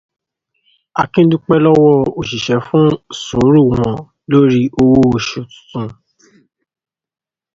Akin dúpẹ́ lọ́wọ́ àwọn òṣìṣẹ́ fún sùúrù wọn lórí owó oṣù tuntun.